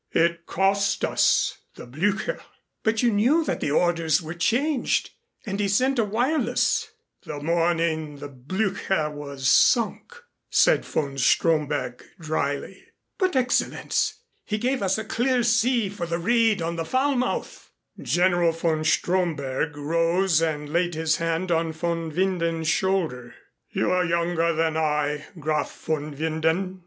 It cost us the Blücher." "But you knew that the orders were changed and he sent a wireless " "The morning the Blücher was sunk," said von Stromberg dryly. "But, Excellenz, he gave us a clear sea for the raid on Falmouth!" General von Stromberg rose and laid his hand on von Winden's shoulder. "You are younger than I, Graf von Winden.